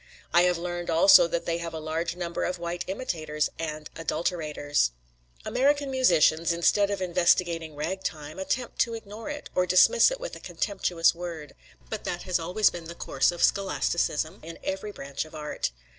I have learned also that they have a large number of white imitators and adulterators. American musicians, instead of investigating ragtime, attempt to ignore it, or dismiss it with a contemptuous word. But that has always been the course of scholasticism in every branch of art.